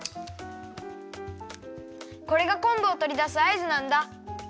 これがこんぶをとりだすあいずなんだ！